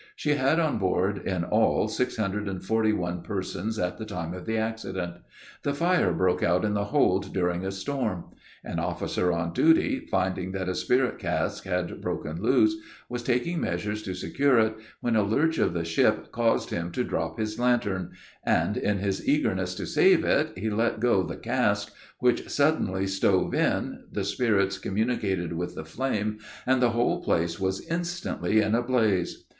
She had on board in all six hundred and forty one persons at the time of the accident. The fire broke out in the hold during a storm. An officer on duty, finding that a spirit cask had broken loose, was taking measures to secure it, when a lurch of the ship caused him to drop his lantern, and, in his eagerness to save it, he let go the cask, which suddenly stove in, the spirits communicated with the flame, and the whole place was instantly in a blaze.